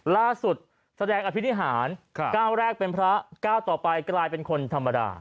แสดงอภินิหารก้าวแรกเป็นพระก้าวต่อไปกลายเป็นคนธรรมดา